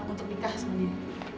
untuk nikah sama dia